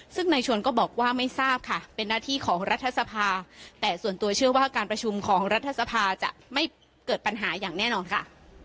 ซึ่งในชวนก็บอกว่าไม่ทราบค่ะเป็นหน้าที่ของรัฐสภาแต่ส่วนตัวเชื่อว่าการประชุมของรัฐสภาจะไม่เกิดปัญหาอย่างแน่นอนค่ะ